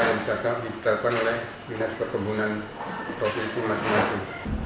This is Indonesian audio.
yang ditetapkan oleh dinas perkebunan profesi masyarakat